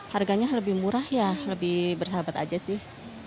harganya lebih murah ya lebih bersahabat aja sih